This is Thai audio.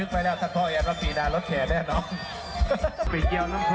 นี่แหละนี่เหรอพี่บ่อยว่า